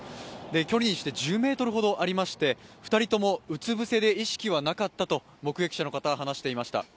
距離にして１０ｍほどで２人ともうつ伏せで意識はなかったと目撃者の方は話していました。